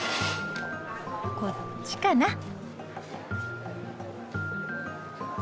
こっちかな。